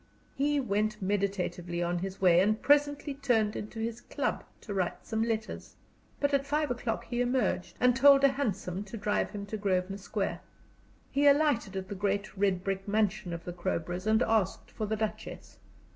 He went meditatively on his way, and presently turned into his club to write some letters. But at five o'clock he emerged, and told a hansom to drive him to Grosvenor Square. He alighted at the great red brick mansion of the Crowboroughs, and asked for the Duchess.